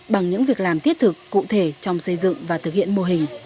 bằng những việc làm thiết thực cụ thể trong xây dựng và thực hiện mô hình